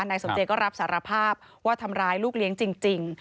นายสมเจก็รับสารภาพว่าทำร้ายลูกเลี้ยงจริง